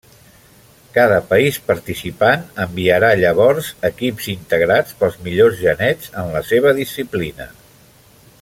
Cada país participant enviarà llavors equips integrats pels millors genets en la seva disciplina.